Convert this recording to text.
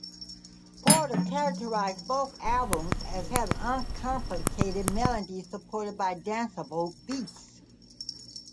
Porter characterized both albums as having uncomplicated melodies supported by danceable beats.